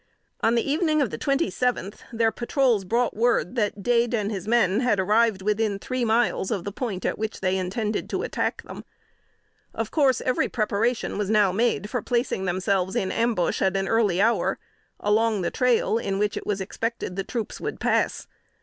In the evening of the twenty seventh, their patrols brought word that Dade and his men had arrived within three miles of the point at which they intended to attack them. Of course every preparation was now made for placing themselves in ambush at an early hour, along the trail in which it was expected the troops would pass.